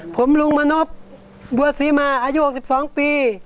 ผมลุงมณพบัวศรีมาอายุ๖๒ปี